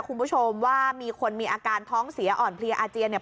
คุณผู้ชมว่ามีคนมีอาการท้องเสียอ่อนเพลียอาเจียนเนี่ย